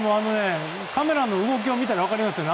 カメラの動きを見たら分かりますよね。